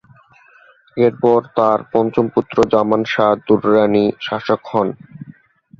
এরপর তার পঞ্চম পুত্র জামান শাহ দুররানি শাসক হন।